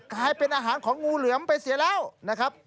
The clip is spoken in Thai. กลายเป็นอาหารของงูเหลือมไปเสียแล้วนะครับ